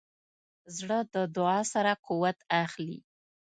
زړه د دعا سره قوت اخلي.